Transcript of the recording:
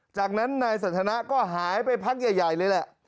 จากนั้นนายสันทนาก็หายไปพักใหญ่เลยแหละ